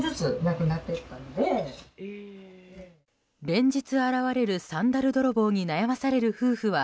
連日現れるサンダル泥棒に悩まされる夫婦は